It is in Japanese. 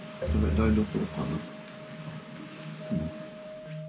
台所かな？